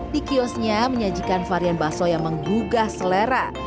di kiosnya menyajikan varian bakso yang menggugah selera